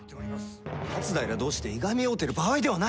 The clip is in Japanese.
松平同士でいがみ合うてる場合ではない。